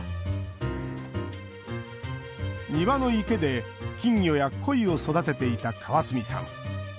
庭の池で金魚やコイを育てていた川角さん。